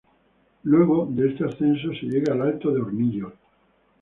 Luego de este ascenso se llega al Alto de Hornillos.